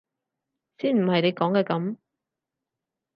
先唔係你講嘅噉！